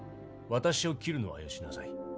私を斬るのはよしなさい。